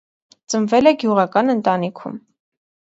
Ծնվել է գյուղական ընտանիքում։